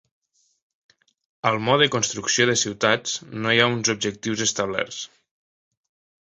Al mode construcció de ciutats, no hi ha uns objectius establerts.